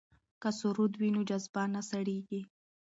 که سرود وي نو جذبه نه سړیږي.